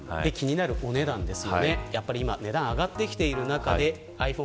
あとは気になるお値段です。